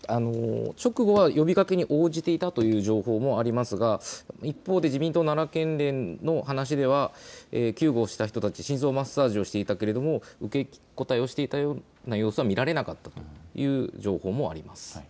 直後は呼びかけに応じていたという情報もありますが一方で自民党奈良県連の話では救護した人たち、心臓マッサージをしていたけれども受け答えをしていたような様子は見られなかったという情報もあります。